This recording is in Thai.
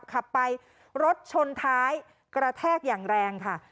ขับไปรถชนท้ายกระแทกอย่างแรงค่ะ